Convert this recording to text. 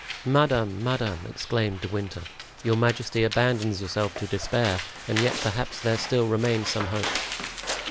"Madame, madame," exclaimed De Winter, "your majesty abandons yourself to despair; and yet, perhaps, there still remains some hope."